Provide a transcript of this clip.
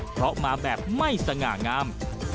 เพราะมาแบบไม่สง่างาม